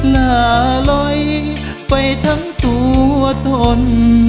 หลาลอยไปทั้งตัวตน